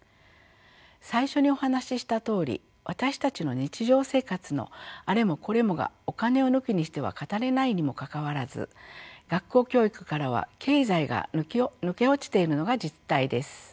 最初にお話ししたとおり私たちの日常生活のあれもこれもがお金を抜きにしては語れないにもかかわらず学校教育からは経済が抜け落ちているのが実態です。